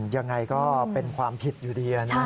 ยังไงก็เป็นความผิดอยู่ดีนะ